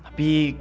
nanti aku nungguin